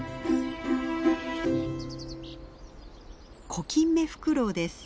コキンメフクロウです。